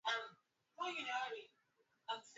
na sisi tunaweza tukafanya zaidi ya tunavyofanya sasa